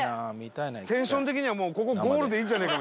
テンション的にはもうここゴールでいいんじゃねえか？